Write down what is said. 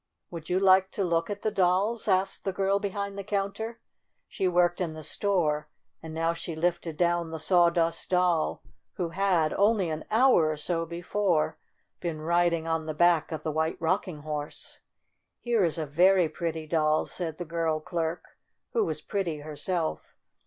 "Would you like to look at the dolls?" asked the girl behind the counter. She worked in the store, and now she lifted down the Sawdust Doll who had, only an hour or so before, been riding on the back of the White Rocking Horse. "Here is a very pretty doll," said the girl clerk, who was pretty herself.